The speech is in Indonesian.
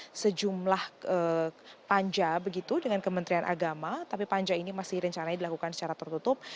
ada sejumlah panja begitu dengan kementerian agama tapi panja ini masih rencananya dilakukan secara tertutup